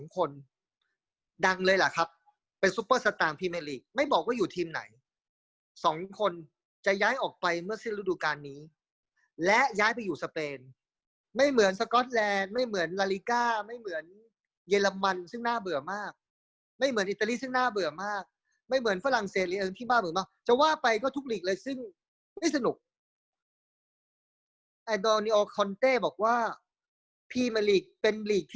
ดังเลยเหรอครับเป็นซุปเปอร์สตาร์พรีเมลีกไม่บอกว่าอยู่ทีมไหน๒คนจะย้ายออกไปเมื่อสิ้นฤดูการนี้และย้ายไปอยู่สเปนไม่เหมือนสก๊อตแลนด์ไม่เหมือนลาลิก้าไม่เหมือนเยอรมันซึ่งน่าเบื่อมากไม่เหมือนอิตาลีซึ่งน่าเบื่อมากไม่เหมือนฝรั่งเศสหรือที่บ้าเหมือนมากจะว่าไปก็ทุกหลีกเลยซึ่งไม่สนุก